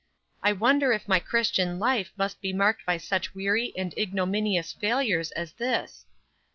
I wonder if my Christian life must be marked by such weary and ignominious failures as this?